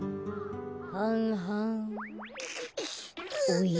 おや？